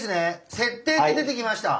「設定」って出てきました。